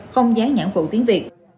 không gián nhãn vụ tiếng việt